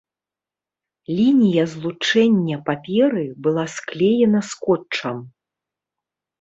Лінія злучэння паперы была склеена скотчам.